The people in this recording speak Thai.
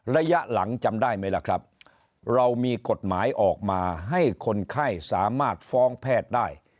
ระยะหลังจำได้ไหมล่ะครับเรามีกฎหมายออกมาให้คนไข้สามารถฟ้องแพทย์ได้